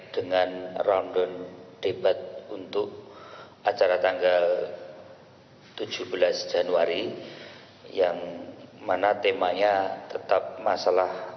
dengan rundown debat untuk acara tanggal tujuh belas januari yang mana temanya tetap masalah